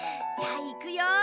じゃあいくよ。